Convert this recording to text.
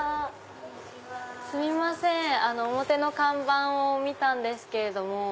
すみません表の看板を見たんですけれども。